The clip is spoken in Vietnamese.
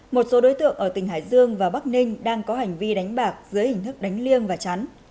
một số đối tượng ở tỉnh hải dương và bắc ninh đang có hành vi đánh bạc dưới hình thức đánh liêng và chắn